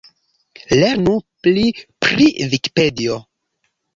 Lernu pli pri Vikipedio.